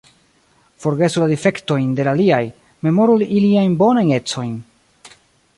Forgesu la difektojn de l' aliaj, memoru iliajn bonajn ecojn.